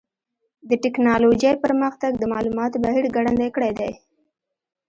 د ټکنالوجۍ پرمختګ د معلوماتو بهیر ګړندی کړی دی.